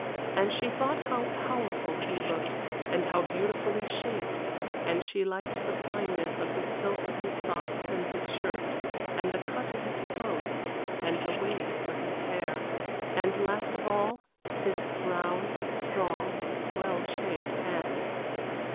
And she thought how powerful he looked, and how beautifully shaped; and she liked the fineness of the silk of his socks and his shirt, and the cut of his clothes, and the wave of his hair and last of all, his brown, strong, well shaped hands.